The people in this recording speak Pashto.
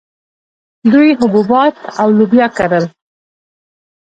دوی حبوبات او لوبیا کرل